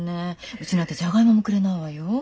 うちなんてジャガイモもくれないわよ。